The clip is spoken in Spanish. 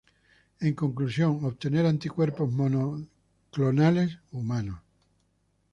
En conclusión, obtener anticuerpos monoclonales humanos.